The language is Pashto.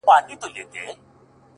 څوك مي دي په زړه باندي لاس نه وهي،